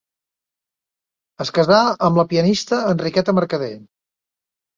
Es casà amb la pianista Enriqueta Mercader.